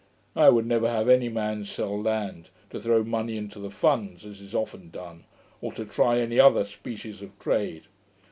I would never have any man sell land, to throw money into the funds, as is often done, or to try any other species of trade.